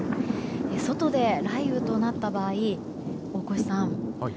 外で雷雨となった場合大越さん